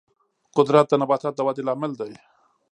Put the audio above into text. قدرت د نباتاتو د ودې لامل دی.